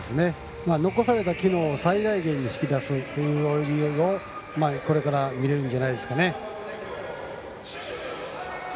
残された機能を最大限に引き出すという泳ぎをこれから見れるんじゃないでしょうか。